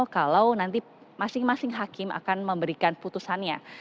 kalau nanti masing masing hakim akan memberikan putusannya